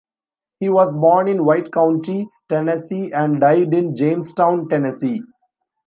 He was born in White County, Tennessee and died in Jamestown, Tennessee.